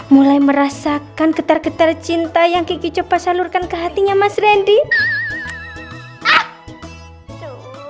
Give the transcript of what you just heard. mulai merasakan ketar ketar cinta yang kiki coba salurkan ke hatinya mas randy